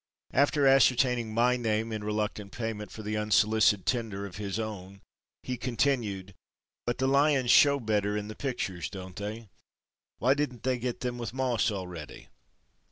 After ascertaining my name in reluctant payment for the unsolicited tender of his own he continued, "but the Lions show better in the 'pictures' don't they? Why didn't they get them with moss already."